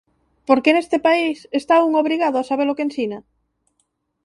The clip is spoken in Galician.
Porque neste país, está un obrigado a sabe-lo que ensina?